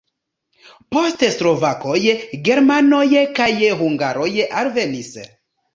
Poste slovakoj, germanoj kaj hungaroj alvenis.